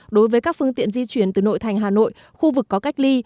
đối với các phương tiện di chuyển từ nội thành hà nội khu vực có cách ly